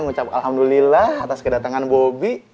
ngucap alhamdulillah atas kedatengan bobby